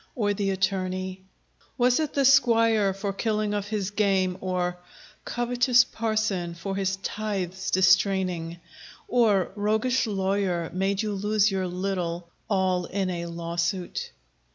Or the attorney? Was it the squire, for killing of his game? or Covetous parson, for his tithes distraining? Or roguish lawyer, made you lose your little All in a lawsuit?